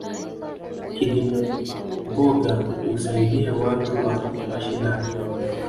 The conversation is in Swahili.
Kilimo mboga husaidia watu wa mashinani.